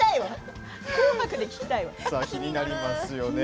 気になりますよね。